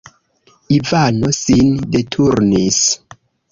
Ivano sin deturnis.